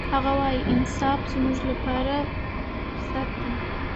هغه وايي، انعطاف زموږ لپاره فرصت دی.